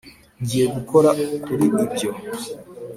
ngiye gukora kuri ibyo